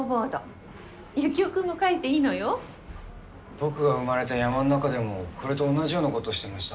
僕が生まれた山の中でもこれと同じようなことをしてました。